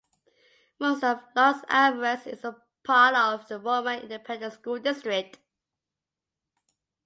Most of Los Alvarez is part of the Roma Independent School District.